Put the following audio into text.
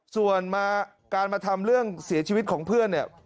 ส่วนมาการมาทำเรื่องเสียชีวิตของเพื่อนเนี่ย